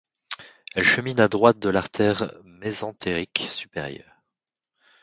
Elle chemine à droite de l'artère mésentérique supérieure.